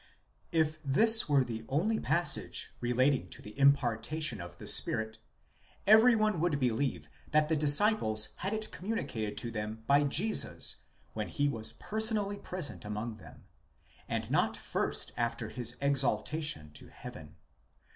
If this were the only passage relating to the impartation of the Spirit, every one would believe that the disciples had it commuicated to them by Jesus when he was personally present among them, and not first after his exaltation. to heaven.